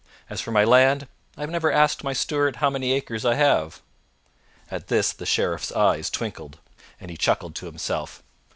As for my land, I have never asked my steward how many acres I have." At this the Sheriff's eyes twinkled, and he chuckled to himself.